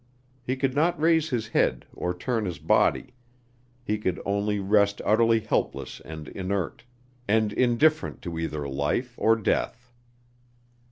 He could not raise his head or turn his body. He could only rest utterly helpless and inert, and indifferent to either life or death.